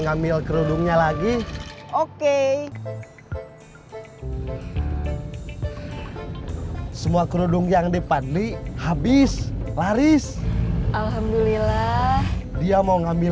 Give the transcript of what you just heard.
ngambil kerudungnya lagi oke semua kerudung yang dipanli habis laris alhamdulillah dia mau ngambil